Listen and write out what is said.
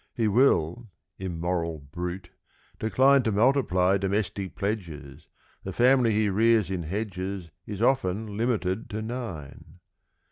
= He will, immoral brute, decline To multiply domestic "pledges," The family he rears in hedges Is often limited to nine.